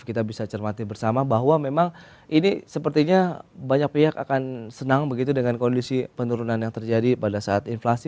kita bisa cermati bersama bahwa memang ini sepertinya banyak pihak akan senang begitu dengan kondisi penurunan yang terjadi pada saat inflasi